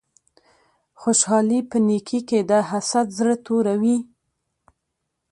خوشحالی په نیکې کی ده حسد زړه توروی